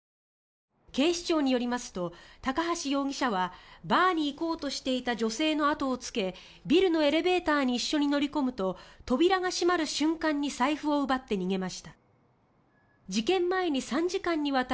警視庁によりますと高橋容疑者はバーに行こうとしていた女性の後をつけビルのエレベーターに一緒に乗り込むと扉が閉まる瞬間に財布を奪って逃げました。